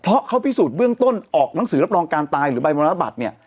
เพราะเขาพิสูจน์เบื้องต้นออกหนังสือรับรองการตายหรือใบมรณบัตรเนี่ย